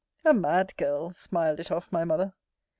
A mad girl! smiled it off my mother.